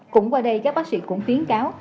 cũng qua đây các bác sĩ cũng tiến cáo